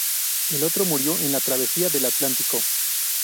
El otro murió en la travesía del Atlántico.